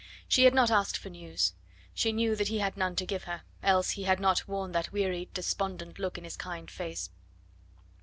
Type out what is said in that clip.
She had not asked for news. She knew that he had none to give her, else he had not worn that wearied, despondent look in his kind face.